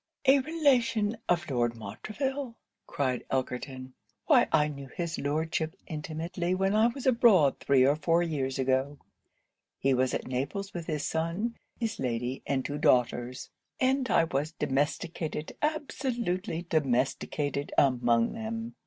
'A relation of Lord Montreville!' cried Elkerton; 'why I knew his Lordship intimately when I was abroad three or four years ago. He was at Naples with his son, his lady, and two daughters; and I was domesticated, absolutely domesticated, among them.